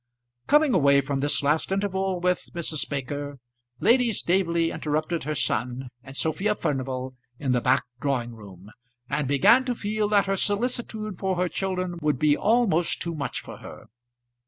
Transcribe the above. Coming away from this last interval with Mrs. Baker, Lady Staveley interrupted her son and Sophia Furnival in the back drawing room, and began to feel that her solicitude for her children would be almost too much for her.